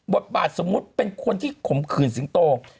บทบาทสมมุติเป็นคนที่ข่มขืนสิงโต